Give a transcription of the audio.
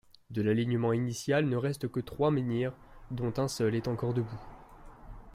De l'alignement initial, ne restent que trois menhirs, dont un seul est encore debout.